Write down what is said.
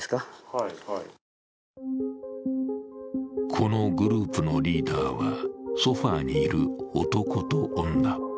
このグループのリーダーはソファーにいる男と女。